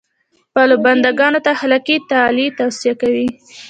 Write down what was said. خپلو بنده ګانو ته اخلاقي تعالي توصیه کوي.